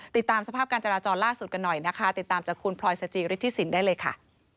ติดตามสภาพการจราจรล่าสุดกันหน่อยนะคะติดตามจากคุณพลอยสจิฤทธิสินได้เลยค่ะ